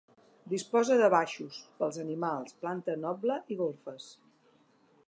Disposa de baixos, pels animals, planta noble i golfes.